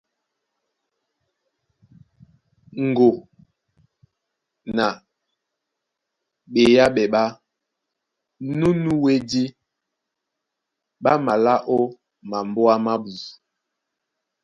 Ŋgo na ɓeyáɓɛ ɓá nû nú wédí ɓá malá ó mambóa mábū.